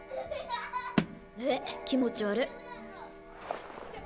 うえっ気持ち悪っ！